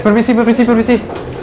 permisi permisi permisi